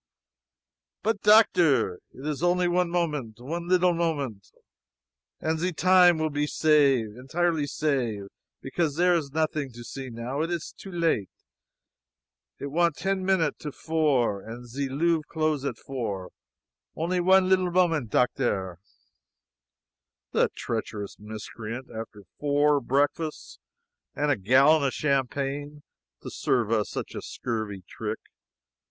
"But doctor! It is only one moment one leetle moment. And ze time will be save entirely save! Because zere is nothing to see now it is too late. It want ten minute to four and ze Louvre close at four only one leetle moment, Doctor!" The treacherous miscreant! After four breakfasts and a gallon of champagne, to serve us such a scurvy trick.